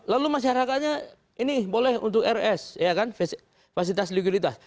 lalu masyarakatnya ini boleh untuk r s ya kan fasilitas likuiditas